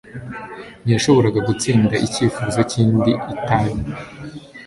Ntiyashoboraga gutsinda icyifuzo cy'indi itabi